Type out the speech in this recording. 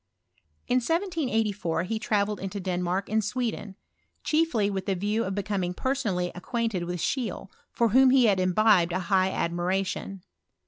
In 1T84 he travelled into Denmark and Swed chiefly with the view of becoming personally i quainted with Scheele, for whom he had imbibe high admiration.